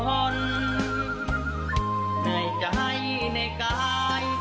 เหนื่อยใจในกาย